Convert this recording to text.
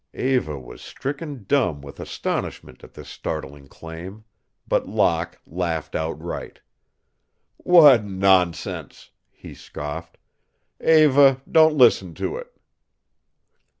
Eva was stricken dumb with astonishment at this startling claim, but Locke laughed outright. "What nonsense!" he scoffed. "Eva, don't listen to it."